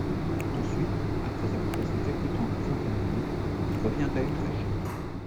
Ensuite, après avoir passé quelque temps à Fontainebleau, il revient à Utrecht.